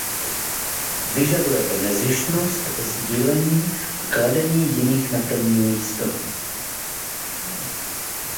Vyžaduje to nezištnost, sdílení a kladení jiných na první místo.